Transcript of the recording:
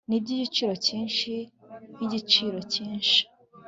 nibigiciro cyinshi nkigiciro cyinshi